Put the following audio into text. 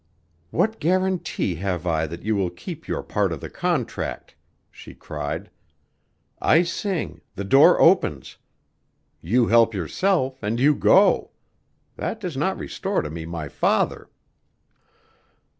"What guarantee have I that you will keep your part of the contract?" she cried. "I sing the door opens you help yourself, and you go. That does not restore to me my father."